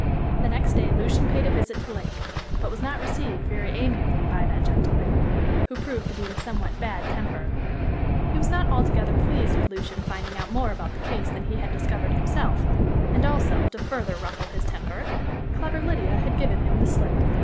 The next day Lucian paid a visit to Link, but was not received very amiably by that gentleman, who proved to be in a somewhat bad temper. He was not altogether pleased with Lucian finding out more about the case than he had discovered himself, and also to further ruffle his temper the clever Lydia had given him the slip.